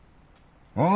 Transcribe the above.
ああ！